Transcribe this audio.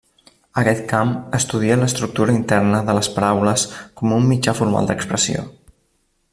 Aquest camp estudia l’estructura interna de les paraules com un mitjà formal d’expressió.